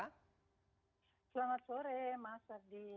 selamat sore mas ardi